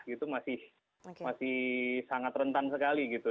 itu masih sangat rentan sekali gitu